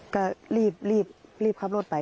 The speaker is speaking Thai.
ก็รีบรีบรีบขับรถไป